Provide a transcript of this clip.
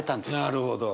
なるほど。